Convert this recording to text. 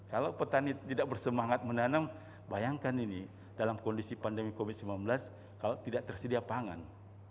kalau petani tidak bersemangat menanam bayangkan ini dalam kondisi pandemi covid sembilan belas kalau tidak tersedia pangan